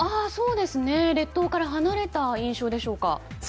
列島から離れた印象でしょうか。